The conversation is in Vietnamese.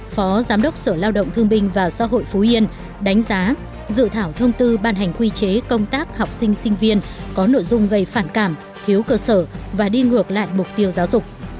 phó giám đốc sở lao động thương binh và xã hội phú yên đánh giá dự thảo thông tư ban hành quy chế công tác học sinh sinh viên có nội dung gây phản cảm thiếu cơ sở và đi ngược lại mục tiêu giáo dục